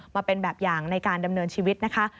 มาเป็นแบบอย่างในการดำเนินชีวิตนะคะ